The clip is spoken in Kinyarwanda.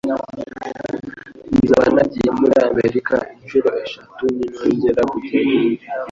Nzaba nagiye muri Amerika inshuro eshatu ninongera kujyayo.